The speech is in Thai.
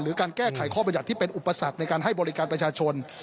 การแก้ไขข้อบรรยัติที่เป็นอุปสรรคในการให้บริการประชาชน